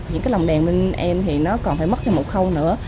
những cái lồng đèn bên em thì nó còn phải mất đi một khâu nữa